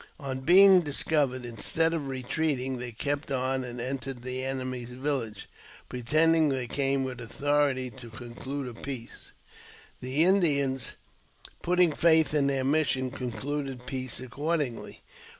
On being discovered, instead of retreating, they kept on and entered the enemy's village, pretending they came with authority to con clude a peace. The Indians, putting faith in their mission, concluded peace accordingly.